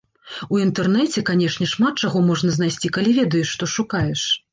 У інтэрнэце, канечне, шмат чаго можна знайсці, калі ведаеш, што шукаеш.